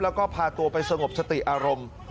แล้วก็พาตัวไปสงบสติอารมณ์